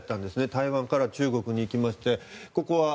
台湾から中国に行きまして。